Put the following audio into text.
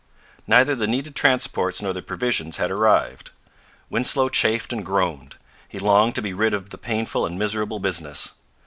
Neither the needed transports nor the provisions had arrived. Winslow chafed and groaned. He longed to be rid of the painful and miserable business.